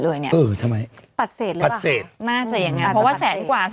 เลยเนี่ยเออทำไมปัดเศษปัดเศษน่าจะยังไงเพราะว่าแสนกว่า